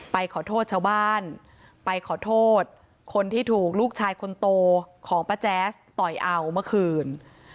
ไปขอโทษชาวบ้านไปขอโทษคนที่ถูกลูกชายคนโตของป้าแจ๊สต่อยเอาเมื่อคืน